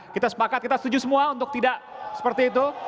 kita sepakat kita setuju semua untuk tidak seperti itu